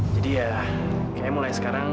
jadi ya kayak mulai sekarang